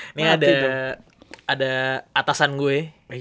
ini ada atasan gue